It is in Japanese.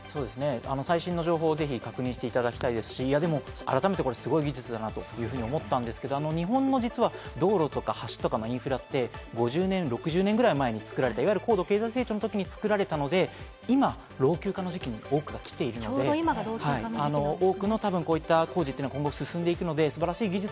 最新の情報を確認していただきたいですし、でも改めてこれ、すごい技術だなと思ったんですけど、日本の道路とか橋とかのインフラって、実は５０年、６０年ぐらい前に作られた高度経済市場のときに作られたので今、老朽化の時期に多くが来ているので、多くのこういった工事は今後、進んでいくので、素晴らしい技術